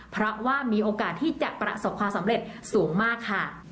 เพราะว่ามีโอกาสที่จะประสบความสำเร็จสูงมากค่ะ